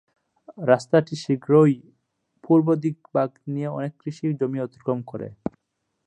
রাস্তাটি শীঘ্রই পূর্ব দিকে বাক নিয়ে অনেক কৃষি জমি অতিক্রম করে।